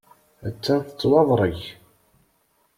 Ha-t-an tettwaḍreg.